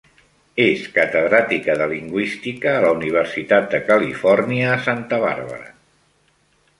És catedràtica de lingüística a la Universitat de Califòrnia a Santa Bàrbara.